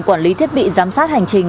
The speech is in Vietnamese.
quản lý thiết bị giám sát hành trình